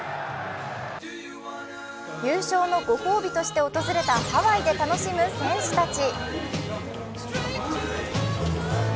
優勝のご褒美として訪れたハワイで楽しむ選手たち。